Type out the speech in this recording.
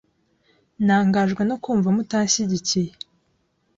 ntangajwe no kumva mutanshyigikiye,